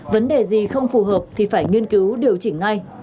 vấn đề gì không phù hợp thì phải nghiên cứu điều chỉnh ngay